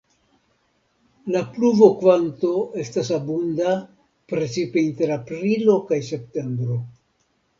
La pluvokvanto estas abunda precipe inter aprilo kaj septembro.